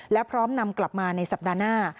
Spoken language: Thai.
และพร้อมนำกลับมาในสัปดาห์หน้า